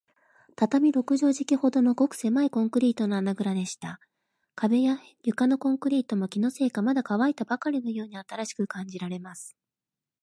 畳六畳敷きほどの、ごくせまいコンクリートの穴ぐらでした。壁や床のコンクリートも、気のせいか、まだかわいたばかりのように新しく感じられます。